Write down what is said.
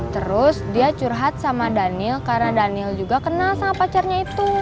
terus dia curhat sama daniel karena daniel juga kenal sama pacarnya itu